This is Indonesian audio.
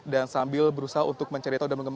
dan sambil berusaha untuk menceritakan